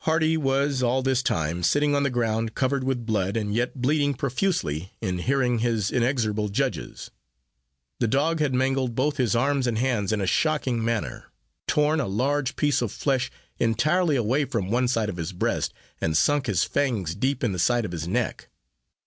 Hardy was, all this time, sitting on the ground covered with blood, and yet bleeding profusely, in hearing of his inexorable judges. The dog had mangled both his arms and hands in a shocking manner; torn a large piece of flesh entirely away from one side of his breast, and sunk his fangs deep in the side of his neck.